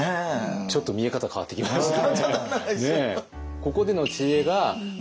ちょっと見え方変わってきましたね。